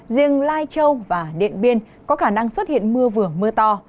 riêng lai châu và điện biên có khả năng xuất hiện mưa vừa mưa to